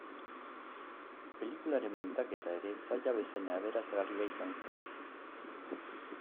Pelikularen muntaketa ere zaila bezain aberasgarria izan zen.